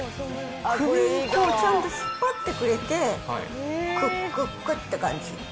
首に、高、ちゃんと引っ張ってくれて、くっくっくって感じ。